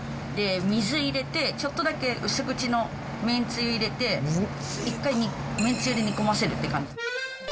水入れて、ちょっとだけ薄口のめんつゆ入れて、一回めんつゆで煮込ませるって感じ。